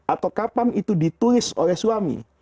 atau kapan itu ditulis oleh suami